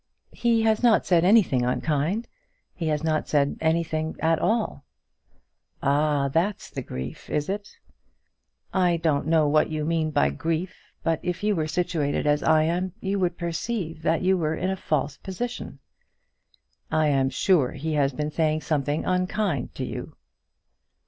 "He has not said anything unkind; he has not said anything at all." "Oh, that's the grief, is it?" "I don't know what you mean by grief; but if you were situated as I am you would perceive that you were in a false position." "I am sure he has been saying something unkind to you."